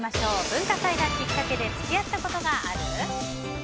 文化祭がきっかけで付き合ったことがある？